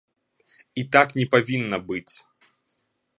І так не павінна быць.